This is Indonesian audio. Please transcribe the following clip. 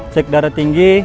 cek darah tinggi